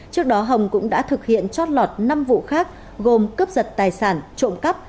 trước đó hồng cũng đã thực hiện chót lọt năm vụ khác gồm cướp giật tài sản trộm cắp